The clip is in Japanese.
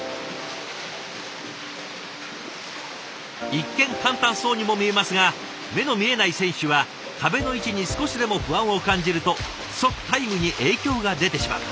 一見簡単そうにも見えますが目の見えない選手は壁の位置に少しでも不安を感じると即タイムに影響が出てしまう。